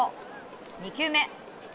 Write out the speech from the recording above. ２球目。